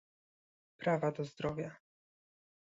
prawa do zdrowia